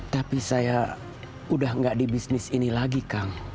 tapi saya udah gak di bisnis ini lagi kang